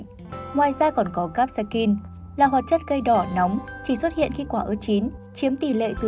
ngoài ra còn có capsicum là hoạt chất cây đỏ nóng chỉ xuất hiện khi quả ớt chín chiếm tỷ lệ từ một một